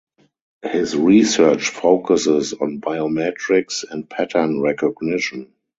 His research focuses on biometrics and pattern recognition.